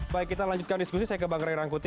baik kita lanjutkan diskusi saya ke bang ray rangkuti